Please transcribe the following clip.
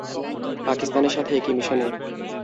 পাকিস্তানের সাথে একি মিশনে?